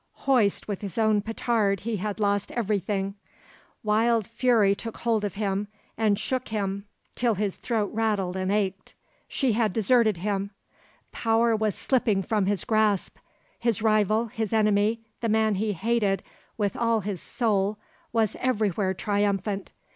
Hoist with his own petard he had lost everything. Wild fury took hold of him and shook him till his throat rattled and ached. She had deserted him; power was slipping from his grasp; his rival, his enemy, the man he hated with all his soul was everywhere triumphant.